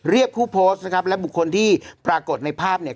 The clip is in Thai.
เรียกผู้โพสต์นะครับและบุคคลที่ปรากฏในภาพเนี่ย